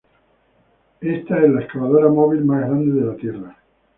Esta es la excavadora móvil más grande de la tierra.